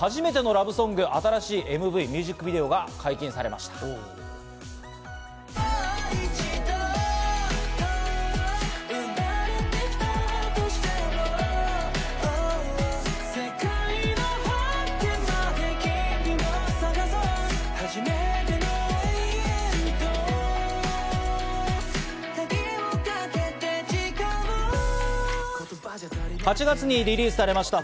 続いてＢＥ：ＦＩＲＳＴが初めてのラブソング、新しいミュージックビデオが解禁されました。